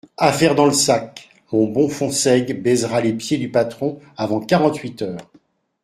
Affaire dans le sac, mon bon Fonsègue baisera les pieds du patron avant quarante-huit heures.